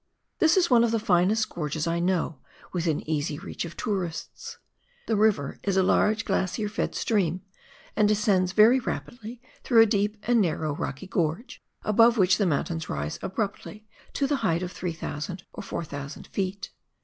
This is one of the finest gorges I know, within easy reach of tourists. The river is a large glacier fed stream, and descends very rapidly through a deep and narrow, rocky gorge, above which the mountains rise abruptly to the height of 3,000 or 4,000 ft.